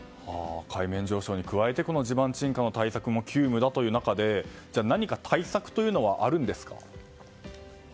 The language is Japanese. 海面上昇に加えて地盤沈下の対策も急務だという中、何か対策はあるんですか？